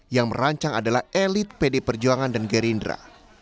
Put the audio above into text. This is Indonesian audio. yang merancang adalah elit pd perjuangan dan gerindra